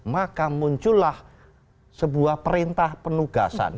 maka muncullah sebuah perintah penugasan